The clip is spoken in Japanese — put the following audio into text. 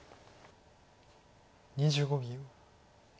２５秒。